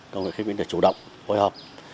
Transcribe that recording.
công an huyện khánh vĩnh đã chủ động hội hợp